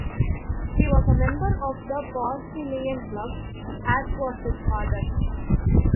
He was a member of the Porcellian Club, as was his father.